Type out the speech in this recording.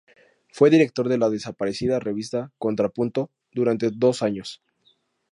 Fue director de la desaparecida revista "Contrapunto" durante dos años.